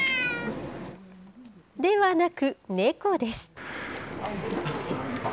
ではなく、猫です。